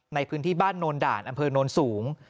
ในพื้นที่บ้านโนนด่านอำเภอโนนสูง